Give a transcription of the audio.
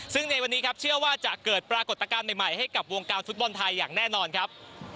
ซึ่งในวันนี้ครับเชื่อว่าจะเกิดปรากฏการณ์ใหม่ให้กับวงการฟุตบอลไทยอย่างแน่นอนครับ